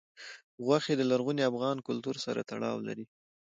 غوښې د لرغوني افغان کلتور سره تړاو لري.